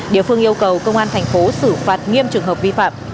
địa phương yêu cầu công an thành phố xử phạt nghiêm trường hợp vi phạm